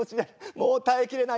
もう耐えきれない。